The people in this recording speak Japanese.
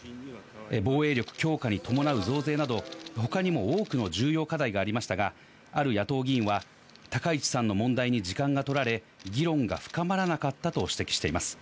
防衛力強化に伴う増税など他にも多くの重要課題がありましたが、ある野党議員は高市さんの問題に時間がとられ議論が深まらなかったと指摘しています。